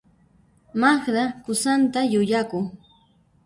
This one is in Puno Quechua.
Magda qusanta yuyakun.